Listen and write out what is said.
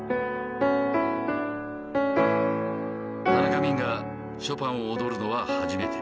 田中泯がショパンを踊るのは初めて